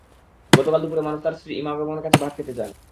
গতকাল দুপুরে মারুফ তাঁর স্ত্রী ইমা বেগমের কাছে ভাত খেতে চান।